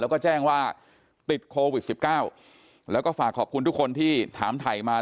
แล้วก็แจ้งว่าติดโควิด๑๙แล้วก็ฝากขอบคุณทุกคนที่ถามถ่ายมา